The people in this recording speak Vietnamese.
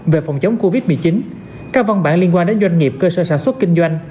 về phòng chống covid một mươi chín các văn bản liên quan đến doanh nghiệp cơ sở sản xuất kinh doanh